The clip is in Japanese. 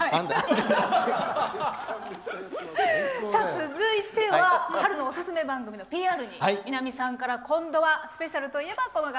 続いては春のおすすめ番組のＰＲに南さんから、今度はスペシャルといえば、この方。